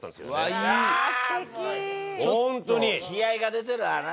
悲哀が出てるわな。